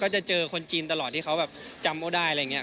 จะเจอคนจีนตลอดที่เขาแบบจำโอได้อะไรอย่างนี้